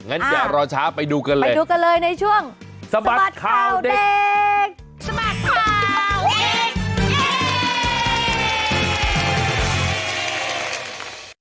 อ่ะอย่ารอช้าไปดูกันเลยในช่วงสมัครข่าวเด็ก